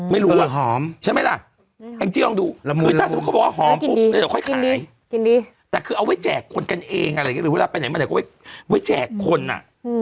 ไม่รู้อะใช่ไหมล่ะแอ็งจี้ลองดูคือถ้าสมมุติเขาบอกว่าหอมปุ๊บแล้วจะค่อยขายแต่คือเอาไว้แจกคนกันเองอะไรอย่างนี้หรือว่าไปไหนมันแต่ก็ไว้แจกคนอะ